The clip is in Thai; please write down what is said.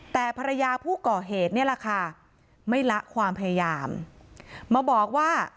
แต่ภรรยาผู้ก่อเหตุนี่แหละค่ะไม่ละความพยายามมาบอกว่า